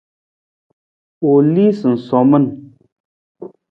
U lii sunsomin.